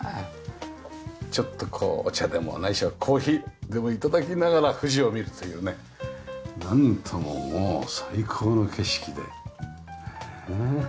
ちょっとお茶でもないしはコーヒーでも頂きながら富士を見るというねなんとももう最高の景色で。